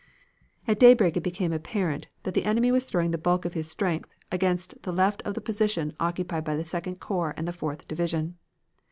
"At daybreak it became apparent that the enemy was throwing the bulk of his strength against the left of the position occupied by the Second Corps and the Fourth Division.